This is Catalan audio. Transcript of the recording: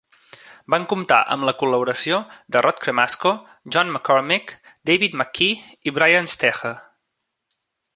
Van comptar amb la col·laboració de Rod Cremasco, John McCormick, David McKee i Brian Stecher.